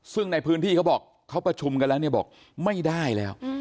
ซึ่งในพื้นที่เขาบอกเขาประชุมกันแล้วเนี่ยบอกไม่ได้แล้ว